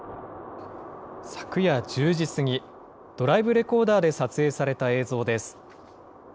昨夜１０時過ぎ、ドライブレコーダーで撮影された映像です。